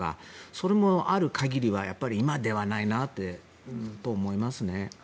それもある限りは今ではないなと思いますね。